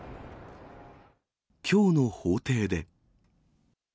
きょうの法廷で。